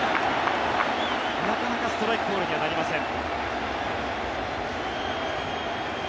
なかなかストライクコールにはなりません。